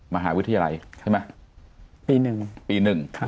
มหาวิทยาลัยใช่ไหมปีหนึ่งปีหนึ่ง